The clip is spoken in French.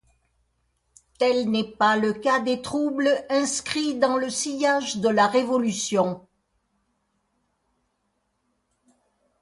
Tel n’est pas le cas des troubles inscrits dans le sillage de la Révolution.